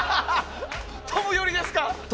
トム寄りですか。